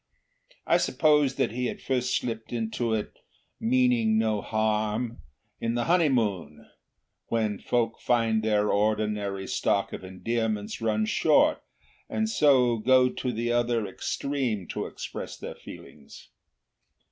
I suppose that he had first slipped into it, meaning no harm, in the honeymoon, when folk find their ordinary stock of endearments run short, and so go to the other extreme to express their feelings.